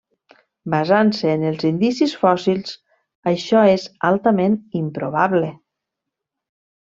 Basant-se en els indicis fòssils, això és altament improbable.